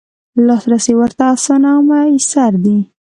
لاسرسی ورته اسانه او میسر دی.